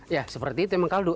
ya seperti itu emang kaldu